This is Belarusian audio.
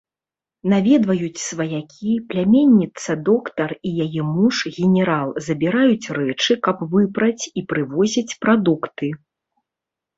Наведваюць сваякі, пляменніца-доктар і яе муж, генерал, забіраюць рэчы, каб выпраць, і прывозяць прадукты.